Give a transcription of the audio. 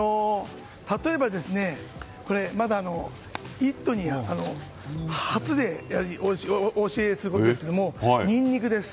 例えば、まだ「イット！」に初でお教えするんですがニンニクです。